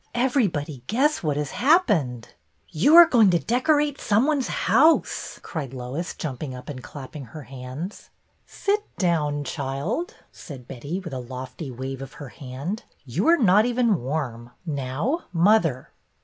Everybody guess what has happened." You are going to decorate some one's house," cried Lois, jumping up and clapping her hands. '' Sit down, child," said Betty, with a lofty wave of her hand. You are not even warm. Now, mother."